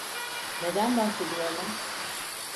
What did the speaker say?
Neden bahsediyorlar?